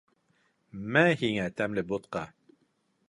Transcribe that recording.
Мә, һиңә тәмле бутҡа!